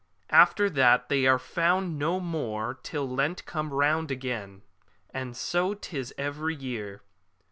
After that they are found no more till Lent come round again ; and so 'tis every year.